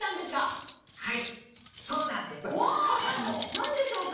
何でしょうか？